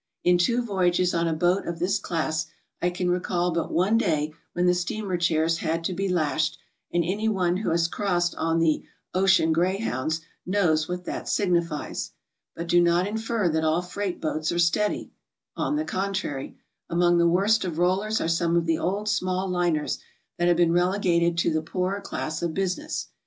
In two voyages on a boat of this class I can recall but one day wihen the steamer chairs had to be lashed, and any one who has cro ssed on the "ocean grey hounds" knows what that signifies. But do not infer that all freight boats are steady. On the contrary, among the worst oi rollers are some of the old, small liners that have been relegated to the poorer class of business.